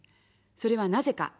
それはなぜか。